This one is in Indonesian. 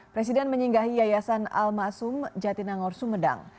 presiden menyinggahi yayasan al ma'asum jatinangor sumedang